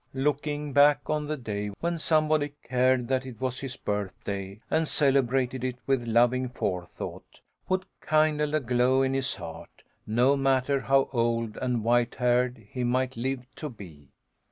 Looking back on the day when somebody cared that it was his birth day, and celebrated it with loving forethought, would kindle a glow in his heart, no matter how old and white haired he might live to be.